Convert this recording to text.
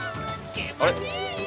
気持ちいい！